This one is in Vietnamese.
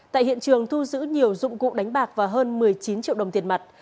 tại hiện trường thu giữ nhiều dụng cụ đánh bạc và hơn một mươi chín triệu đồng tiền mặt